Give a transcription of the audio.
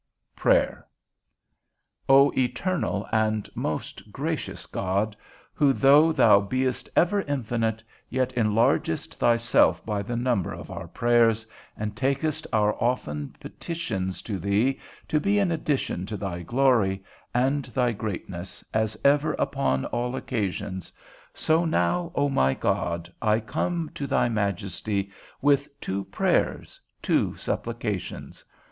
XXIII. PRAYER. O eternal and most gracious God, who, though thou beest ever infinite, yet enlargest thyself by the number of our prayers, and takest our often petitions to thee to be an addition to thy glory and thy greatness, as ever upon all occasions, so now, O my God, I come to thy majesty with two prayers, two supplications.